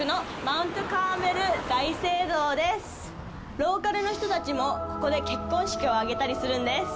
ローカルの人たちもここで結婚式を挙げたりするんです。